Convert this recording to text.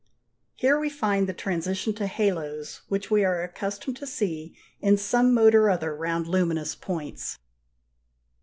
Here we find the transition to halos which we are accustomed to see in some mode or other round luminous points.